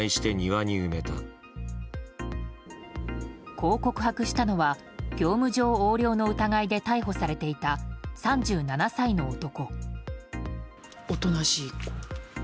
こう告白したのは業務上横領の疑いで逮捕されていた３７歳の男。